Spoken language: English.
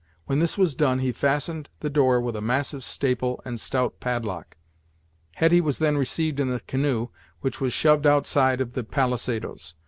When this was done, he fastened the door with a massive staple and stout padlock. Hetty was then received in the canoe, which was shoved outside of the palisadoes.